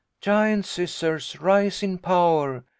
* Giant Scissors, rise in power